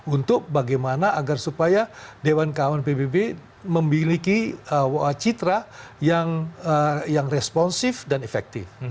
untuk bagaimana agar supaya dewan kawan pbb memiliki wawa citra yang responsif dan efektif